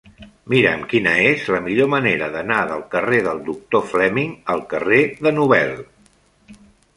Mira'm quina és la millor manera d'anar del carrer del Doctor Fleming al carrer de Nobel.